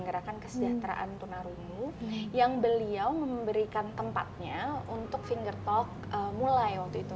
gerakan kesejahteraan tunarungu yang beliau memberikan tempatnya untuk finger talk mulai waktu itu